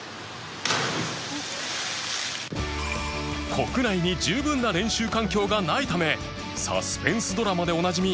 国内に十分な練習環境がないためサスペンスドラマでおなじみ